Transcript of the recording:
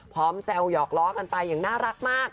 แซวหยอกล้อกันไปอย่างน่ารักมาก